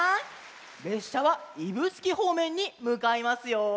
れっしゃは指宿ほうめんにむかいますよ。